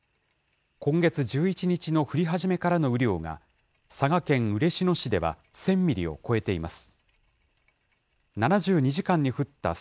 今月１１日の降り始めからの雨量が、佐賀県嬉野市では１０００ミリを超えています。